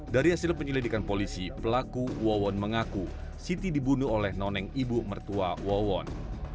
dari hasil penyelidikan polisi pelaku wawon mengaku siti dibunuh oleh noneng ibu mertua wawon